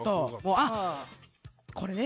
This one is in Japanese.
あっこれね。